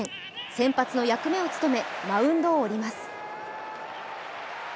先発の役目を務め、マウンドを降ります。